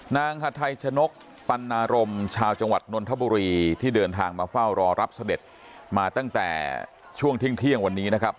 ฮัทัยชนกปันนารมชาวจังหวัดนนทบุรีที่เดินทางมาเฝ้ารอรับเสด็จมาตั้งแต่ช่วงเที่ยงวันนี้นะครับ